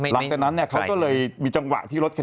หลังจากนั้นเขาก็เลยมีจังหวะที่รถคัน